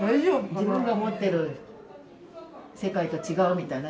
自分が思ってる世界と違うみたいな。